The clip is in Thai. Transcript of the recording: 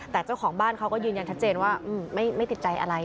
แต่เจ้าของบ้านเขาก็ยืนยันชัดเจนว่าไม่ติดใจอะไร